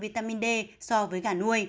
vitamin d so với gà nuôi